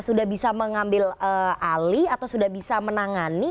sudah bisa mengambil alih atau sudah bisa menangani